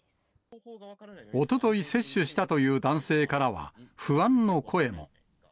おととい接種したという男性からは、不安の声も。